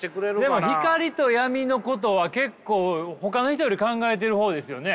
でも光と闇のことは結構ほかの人より考えてる方ですよね。